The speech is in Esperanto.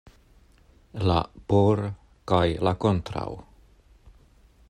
La "por" kaj la "kontraŭ".